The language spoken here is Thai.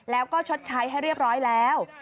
แล้วก็ชดใช้ให้เรียบร้อยแล้ว